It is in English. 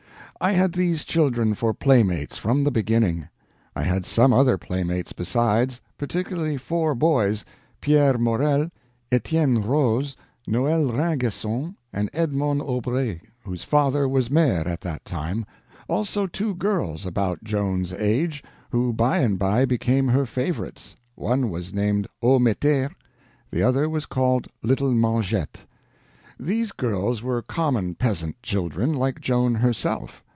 I had these children for playmates from the beginning. I had some other playmates besides—particularly four boys: Pierre Morel, Etienne Roze, Noel Rainguesson, and Edmond Aubrey, whose father was maire at that time; also two girls, about Joan's age, who by and by became her favorites; one was named Haumetter, the other was called Little Mengette. These girls were common peasant children, like Joan herself.